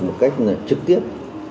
một cách trực tiếp